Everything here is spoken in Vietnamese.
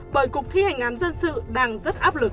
bởi cục thi hành án dân sự đang rất áp lực